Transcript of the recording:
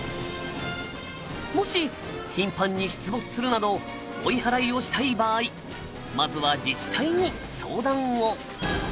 もし頻繁に出没するなど追い払いをしたい場合まずは自治体に相談を。